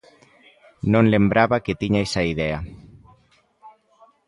Non lembraba que tiña esa idea.